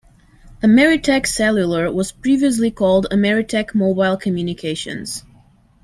Ameritech Cellular was previously called Ameritech Mobile Communications.